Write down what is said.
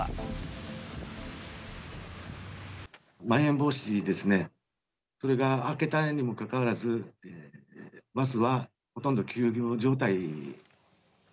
まん延防止ですね、それが明けたにもかかわらず、バスはほとんど休業状態。